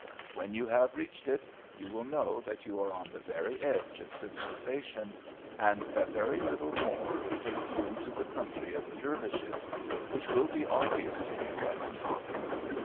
When you have reached it you will know that you are on the very edge of civilisation, and that very little more will take you into the country of the Dervishes, which will be obvious to you at the top.